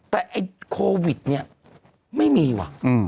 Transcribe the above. แต่ไอ้โควิดเนี่ยไม่มีว่ะ